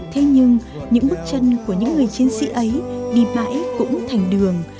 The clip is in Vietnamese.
thế nhưng những bước chân của những người chiến sĩ ấy đi mãi cũng thành đường